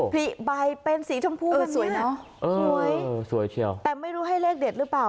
ปริบัยเป็นสีชมพูแบบนี้สวยเชี่ยวแต่ไม่รู้ให้เลขเด็ดหรือเปล่า